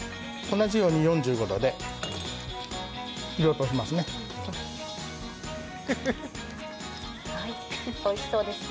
同じように４５度で取りますね。